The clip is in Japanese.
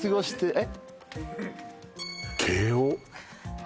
えっ？